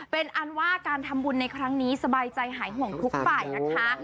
เป็นอันว่าการทำบุญในครั้งนี้สบายใจหายห่วงทุกฝ่ายนะคะ